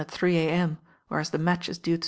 l three a.m.. wherea. the match i. due to .